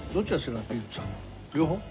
両方。